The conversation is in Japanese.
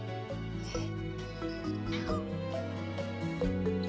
えっ？